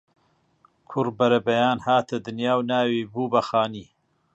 کوڕ بەرەبەیان هاتە دنیا و ناوی بوو بە خانی